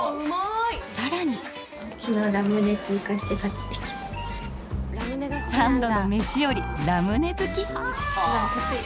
さらに。三度の飯よりラムネ好き。